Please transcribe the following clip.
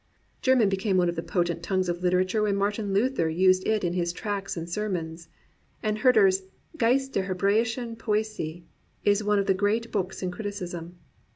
German became one of the potent tongues of literature when Martin Luther used it in his tracts and sermons, and Herder's Geist der hebrdischen Poesie is one of the great books in criticism.